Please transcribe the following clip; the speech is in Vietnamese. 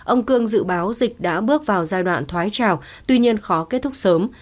ông cương dự báo dịch đã bước vào giai đoạn thoái trào tuy nhiên khó kết thúc sớm